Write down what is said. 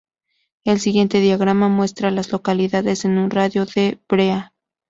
El siguiente diagrama muestra a las localidades en un radio de de Brea.